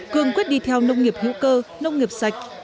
cương quyết đi theo nông nghiệp hữu cơ nông nghiệp sạch